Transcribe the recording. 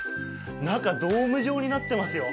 中、ドーム状になっていますよ。